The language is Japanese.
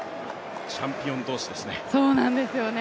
チャンピオン同士ですよね。